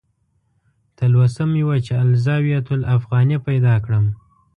تلوسه مې وه چې "الزاویة الافغانیه" پیدا کړم.